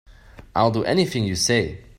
I'll do anything you say.